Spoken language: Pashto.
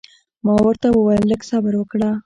ما ورته وویل لږ صبر وکړه.